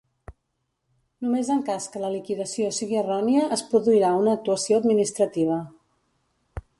Només en cas que la liquidació sigui errònia es produirà una actuació administrativa.